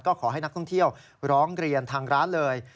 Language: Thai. ก็ขอให้นักท่องเที่ยวร้องเรียนทางร้านเลย